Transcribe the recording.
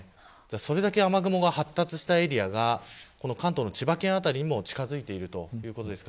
それだけ雨雲が発達したエリアが関東の千葉県辺りにも近づいているということです。